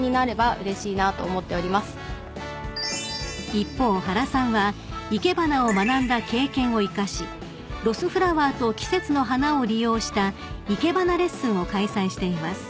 ［一方原さんは生け花を学んだ経験を生かしロスフラワーと季節の花を利用した生け花レッスンを開催しています］